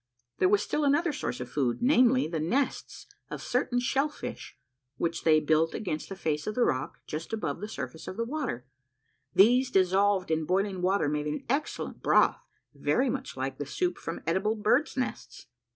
There was still another source of food ; namely, the nests of certain shell fish, which they built against the face of the rock, just above the surface of the river. These dissolved in boiling water made an excellent broth, very much like the soup from edible birds' nests.